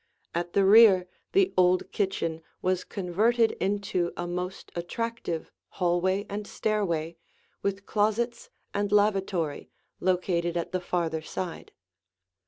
At the rear, the old kitchen was converted into a most attractive hallway and stairway, with closets and lavatory located at the farther side.